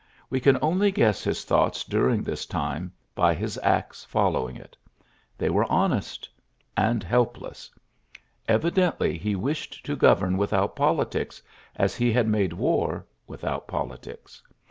We can \ only guess his thoughts during this time I by his acts following it. They were ; honest — and helpless. Evidently, he • wished to govern without politics, as he , had made war without politics.